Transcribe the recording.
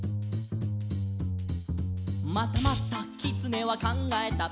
「またまたきつねはかんがえた」